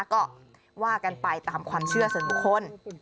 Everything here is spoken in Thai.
ก็ว่ากันไปตามความเชื่อส่วนบุคคล